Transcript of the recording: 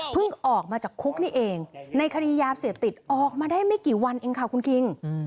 ออกมาจากคุกนี่เองในคดียาเสพติดออกมาได้ไม่กี่วันเองค่ะคุณคิง